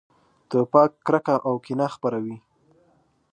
توپک کرکه او کینه خپروي.